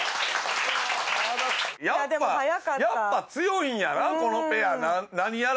やっぱやっぱ強いんやなこのペア何やらしても。